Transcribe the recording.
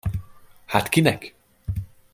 Hát kinek?